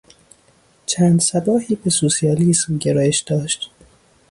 چند صباحی به سوسیالیسم گرایش داشت.